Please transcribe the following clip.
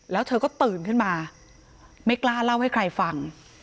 แล้วเธอก็ตื่นขึ้นมาไม่กล้าเล่าให้ใครฟัง